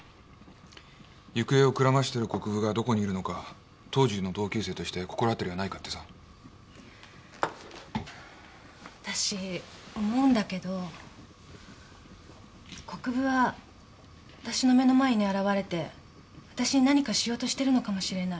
行方をくらましてる国府がどこにいるのか当時の同級生として心当たりはないかってさ。あたし思うんだけど国府はあたしの目の前に現れてあたしに何かしようとしてるのかもしれない。